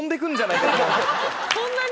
そんなに？